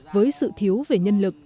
với sự thiếu về nhân lực